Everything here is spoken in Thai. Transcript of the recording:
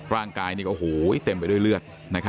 ร่างกายนี้ก็เหมือนเต็มด้วยเลือด